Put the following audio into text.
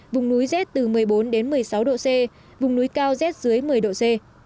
vùng núi rét từ một mươi bốn đến một mươi sáu độ c vùng núi cao rét dưới một mươi độ c